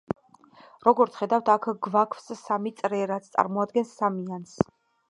როგორც ხედავთ, აქ გვაქვს სამი წრე, რაც წარმოადგენს სამიანს.